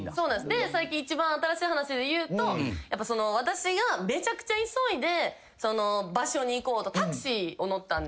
最近一番新しい話でいうと私がめちゃくちゃ急いでその場所に行こうと。